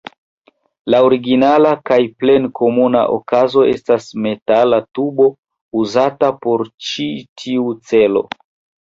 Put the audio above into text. La originala kaj plej komuna okazo estas metala tubo uzata por ĉi tiu celo.